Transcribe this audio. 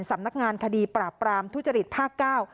สำนักงานคดีปราบปรามทุจริตภาคเก้า